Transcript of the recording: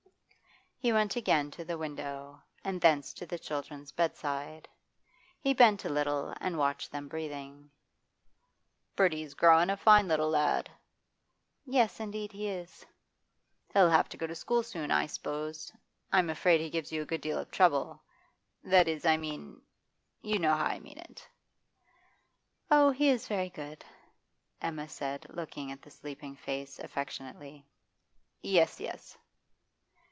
He went again to the window, and thence to the children's bedside. He bent a little and watched them breathing. 'Bertie's growin' a fine little lad.' 'Yes, indeed, he is.' 'He'll have to go to school soon, I s'pose I'm afraid he gives you a good deal of trouble, that is, I mean you know how I mean it.' 'Oh, he is very good,' Emma said, looking at the sleeping face affectionately. 'Yes, yes.